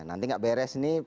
nanti gak beres nih